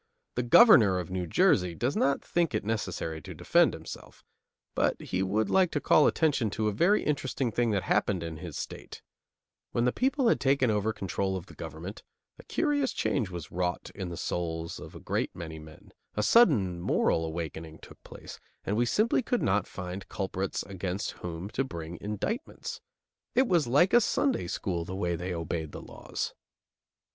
The Governor of New Jersey does not think it necessary to defend himself; but he would like to call attention to a very interesting thing that happened in his State: When the people had taken over control of the government, a curious change was wrought in the souls of a great many men; a sudden moral awakening took place, and we simply could not find culprits against whom to bring indictments; it was like a Sunday school, the way they obeyed the laws.